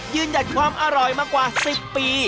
หยัดความอร่อยมากว่า๑๐ปี